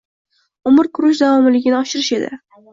Umr koʻrish davomiyligini oshirish adi